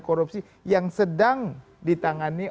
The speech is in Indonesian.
korupsi yang sedang ditangani